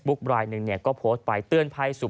พร้อมกับหยิบมือถือขึ้นไปแอบถ่ายเลย